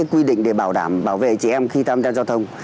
quy định để bảo đảm bảo vệ trẻ em khi tham gia giao thông